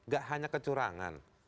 gak hanya kecurangan